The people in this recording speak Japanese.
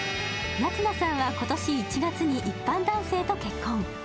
夏菜さんは今年１月に一般男性と結婚。